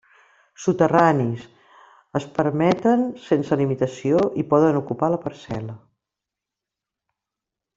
Soterranis: es permeten sense limitació, i poden ocupar la parcel·la.